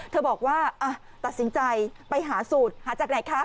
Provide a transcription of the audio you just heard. บอกว่าตัดสินใจไปหาสูตรหาจากไหนคะ